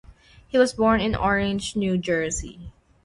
He was born in Orange, New Jersey.